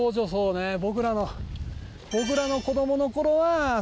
僕らの。